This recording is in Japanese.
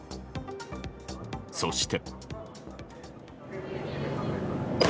そして。